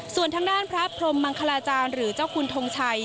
ส่วนทางด้านพระพรมมังคลาจารย์หรือเจ้าคุณทงชัย